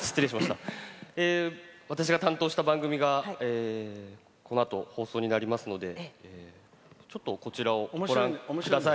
私が担当した番組がこのあと放送になりますのでちょっと、こちらをご覧ください。